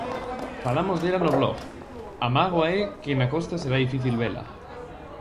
Falamos dela no blog, a mágoa é que na Costa será difícil vela.